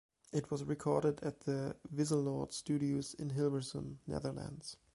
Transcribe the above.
It was recorded at the Wisseloord Studios in Hilversum, Netherlands.